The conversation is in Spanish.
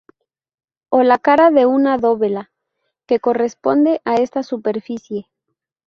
O la cara de una dovela, que corresponde a esta superficie.